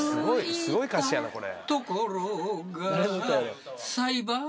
すごい歌詞やなこれ。